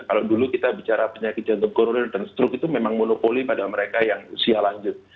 kalau dulu kita bicara penyakit jantung koroner dan stroke itu memang monopoli pada mereka yang usia lanjut